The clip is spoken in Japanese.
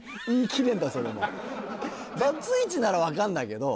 バツイチなら分かんだけど。